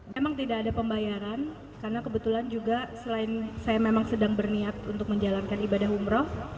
memang tidak ada pembayaran karena kebetulan juga selain saya memang sedang berniat untuk menjalankan ibadah umroh